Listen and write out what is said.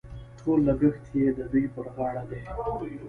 ټول لګښت یې د دوی پر غاړه دي.